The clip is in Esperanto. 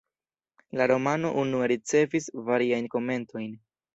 La romano unue ricevis variajn komentojn.